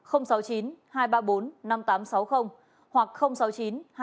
hoặc sáu mươi chín hai trăm ba mươi hai một nghìn sáu trăm sáu mươi bảy